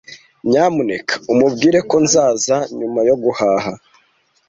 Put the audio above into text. Nyamuneka umubwire ko nzaza nyuma yo guhaha.